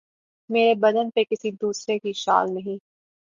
مرے بدن پہ کسی دوسرے کی شال نہیں